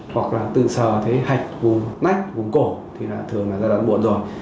hoặc là tự sờ thấy hạch vùng nách vùng cổ thì là thường là giai đoạn buộn rồi